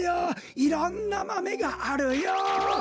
いろんなマメがあるよ。